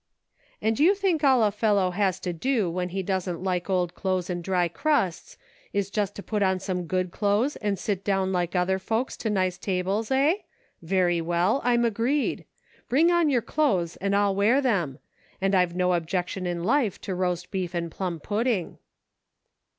" And you think all a fellow has to do when he doesn't like old clothes and dry crusts is just to put on some good clothes and sit down like other folks to nice tables, eh } Very well, I'm agreed ; bring on your clothes and I'll wear 'em ; and I've no objection in life to roast beef and plum pud ding."